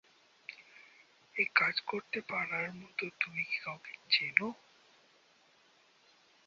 এই কাজ করতে পারার মতো তুমি কি কাউকে চেনো?